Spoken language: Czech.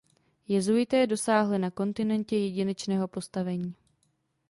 Jezuité dosáhly na kontinentě jedinečného postavení.